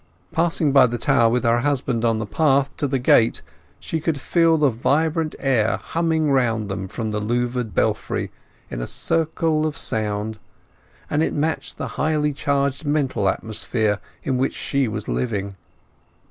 Passing by the tower with her husband on the path to the gate she could feel the vibrant air humming round them from the louvred belfry in the circle of sound, and it matched the highly charged mental atmosphere in which she was living.